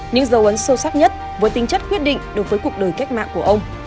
những dấu ấn sâu sắc nhất với tính chất quyết định đối với cuộc đời cách mạng của ông